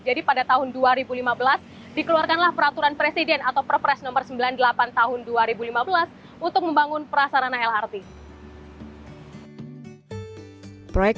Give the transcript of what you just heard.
jadi pada tahun dua ribu lima belas dikeluarkanlah peraturan presiden atau perpres nomor sembilan puluh delapan tahun dua ribu lima belas untuk membangun perasarana lrt